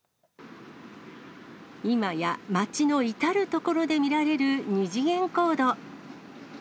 今や街の至る所で見られる二次元コード。